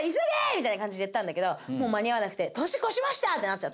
みたいな感じで言ったんだけどもう間に合わなくて「年越しました！」ってなっちゃったの。